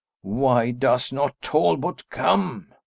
Why does not Talbot come?